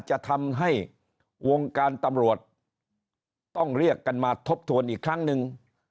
จะทำให้วงการตำรวจต้องเรียกกันมาทบทวนอีกครั้งหนึ่ง